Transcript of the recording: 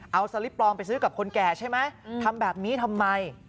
เอาสลิปปลอมไปซื้อกับคนแก่ใช่ไหมทำแบบนี้ทำไม